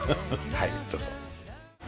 はいどうぞ。